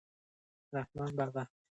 رحمان بابا وايي نه یې زور شته نه یې توان.